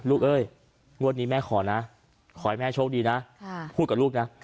เอ้ยงวดนี้แม่ขอนะขอให้แม่โชคดีนะพูดกับลูกนะ